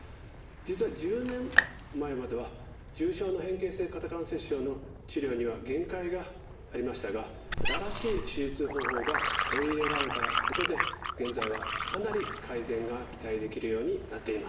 実は１０年前までは重症の変形性肩関節症の治療には限界がありましたが新しい手術方法が取り入れられたことで現在はかなり改善が期待できるようになっています。